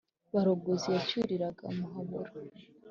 bagorozi yacyuriraga muhabura